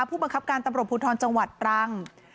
ผู้บังคับการตำรวจภูทรจังหวัดตรัง